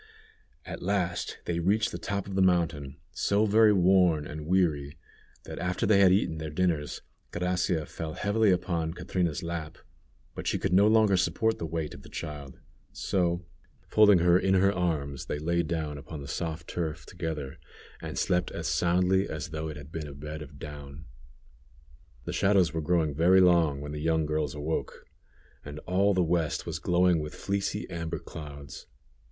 At last they reached the top of the mountain, so very worn and weary, that after they had eaten their dinners, Gracia fell heavily upon Catrina's lap, but she could no longer support the weight of the child; so, folding her in her arms, they lay down upon the soft turf together and slept as soundly as though it had been a bed of down. The shadows were growing very long when the young girls awoke, and all the west was glowing with fleecy amber clouds.